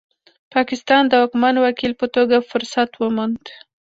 پاکستان د واکمن وکیل په توګه فرصت وموند.